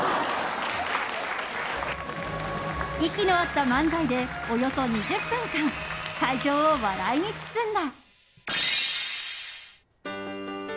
息の合った漫才でおよそ２０分間会場を笑いに包んだ。